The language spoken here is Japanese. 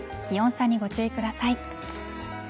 気温差にご注意ください。